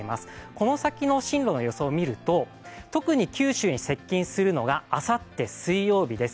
この先の進路の予想を見ると特に九州に接近するのがあさって水曜日です。